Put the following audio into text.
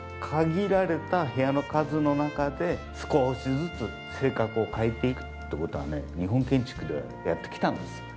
限られた部屋の数の中で少しずつ性格を変えていくという事はね日本建築ではやってきたんです。